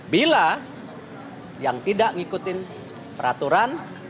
bila yang tidak ngikutin peraturan